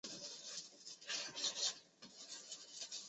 科隆号配备有八门单座安装的。